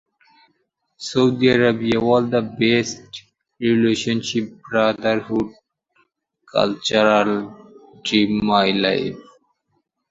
Anji then sees Chinminki and falls in love with her.